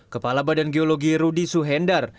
kepala badan geologi rudy suhendar